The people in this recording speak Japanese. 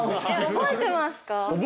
覚えてます。